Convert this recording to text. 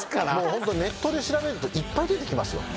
ホントネットで調べるといっぱい出てきますよ